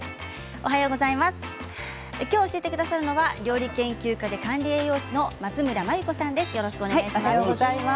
きょう教えてくださるのは料理研究家で管理栄養士の松村眞由子さんです。